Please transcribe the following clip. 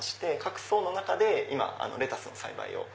各層の中で今レタスの栽培を。